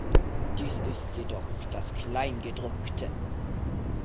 Dies ist jedoch das Kleingedruckte.